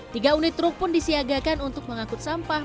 tiga unit truk pun disiagakan untuk mengangkut sampah